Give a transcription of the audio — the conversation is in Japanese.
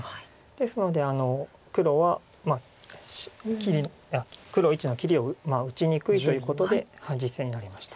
ですので黒は黒①の切りを打ちにくいということで実戦になりました。